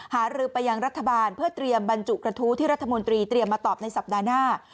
หารือไปยังรัฐบาลเพื่อเตรียมบรรจุกระทู้ที่รัฐมนตรีเตรียมมาตอบในสัปดาห์หน้า